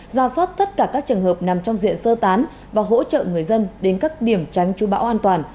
ra soát tất cả các trường hợp nằm trong diện sơ tán và hỗ trợ người dân đến các điểm tránh chú bão an toàn